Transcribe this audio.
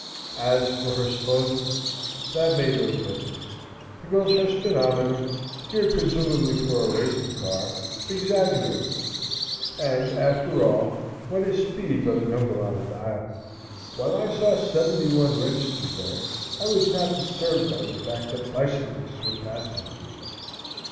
As for her slowness, that made little difference; because her speedometer, geared presumably for a racing car, exaggerated. And, after all, what is speed but a number on a dial? While I saw "71" registered there I was not disturbed by the fact that bicyclists were passing me.